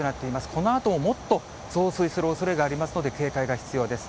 このあとももっと増水するおそれがありますので、警戒が必要です。